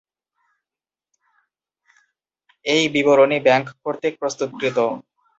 এই বিবরণী ব্যাংক কর্তৃক প্রস্তুতকৃত।